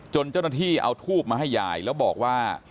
เจ้าหน้าที่เอาทูบมาให้ยายแล้วบอกว่า